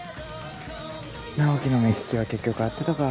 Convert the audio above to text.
直樹の目利きは結局合ってたか。